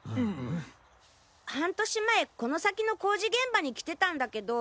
半年前この先の工事現場に来てたんだけど。